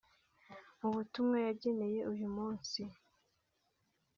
Mu butumwa yageneye uyu munsi